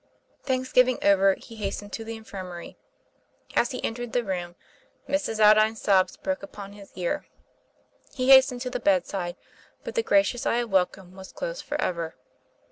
Thanksgiving over, he hastened to the infirmary. As he entered the room, Mrs. Aldine's sobs broke upon his ear. He hastened to the bedside, but the gracious eye of welcome was closed forever.